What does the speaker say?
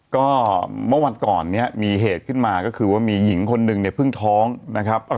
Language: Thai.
ก็เมื่อวันก่อนเนี่ยมีเหตุขึ้นมาก็คือว่ามีหญิงคนหนึ่งเนี่ยเพิ่งท้องนะครับ